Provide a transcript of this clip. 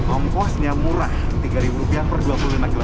omkosnya murah rp tiga per dua puluh lima km pertama